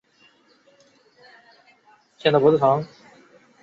唐肃宗的驸马。